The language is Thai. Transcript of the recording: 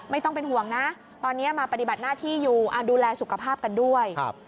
ไม่ต้องเป็นห่วงนะตอนนี้มาปฏิบัติหน้าที่อยู่ดูแลสุขภาพกันด้วย